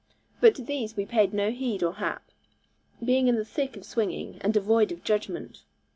But to these we paid no heed or hap, being in the thick of swinging, and devoid of judgment.